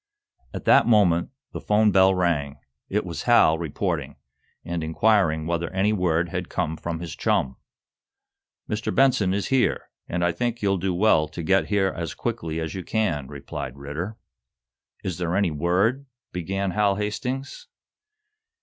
At that moment the 'phone bell rang. It was Hal, reporting, and inquiring whether any word had come from his chum. "Mr. Benson is here, and I think you'll do well to get here as quickly as you can," replied Ridder. "Is there any word " began Hal Hastings.